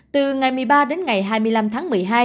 từ ngày một mươi ba đến ngày hai mươi năm tháng một mươi hai